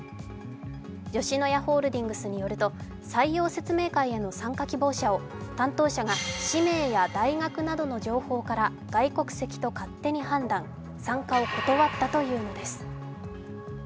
吉野家ホールディングスによると、採用説明会への参加希望者を担当者が氏名や大学などの情報から外国籍と勝手に判断、参加を断ったというのです。